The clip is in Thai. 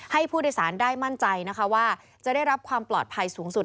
ให้ผู้โดยสารได้มั่นใจนะคะว่าจะได้รับความปลอดภัยสูงสุด